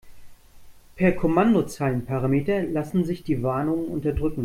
Per Kommandozeilenparameter lassen sich die Warnungen unterdrücken.